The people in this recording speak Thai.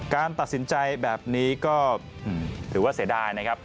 การตัดสินใจแบบนี้ก็ถือว่าเสียดายนะครับ